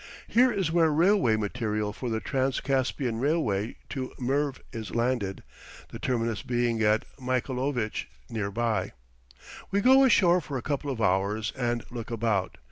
Here is where railway material for the Transcaspian railway to Merv is landed, the terminus being at Michaelovich, near by. We go ashore for a couple of hours and look about.